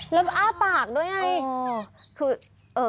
แล้วอ้าปากด้วยไง